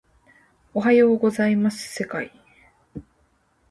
おはようございます世界